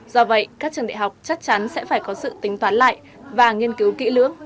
do vậy các trường đại học chắc chắn sẽ phải có sự tính toán lại và nghiên cứu kỹ lưỡng